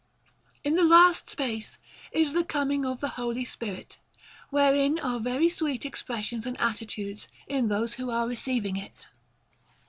In the last space is the coming of the Holy Spirit, wherein are very sweet expressions and attitudes in those who are receiving it.